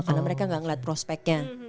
karena mereka gak ngeliat prospeknya